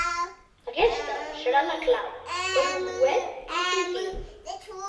Aquesta serà la clau per un Web intuïtiu.